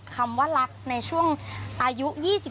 คำว่าลักษณ์ในช่วงอายุ๒๒๒๕